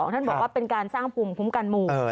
ท่านบอกว่าเป็นการสร้างภูมิคุ้มกันหมู่